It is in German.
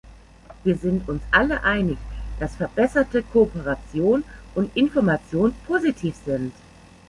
Wir sind uns alle einig, dass verbesserte Kooperation und Information positiv sind.